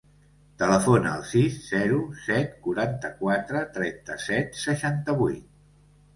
Telefona al sis, zero, set, quaranta-quatre, trenta-set, seixanta-vuit.